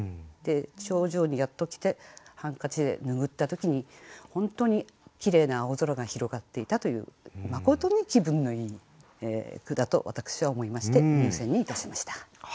頂上にやっと来てハンカチで拭った時に本当にきれいな青空が広がっていたというまことに気分のいい句だと私は思いまして入選にいたしました。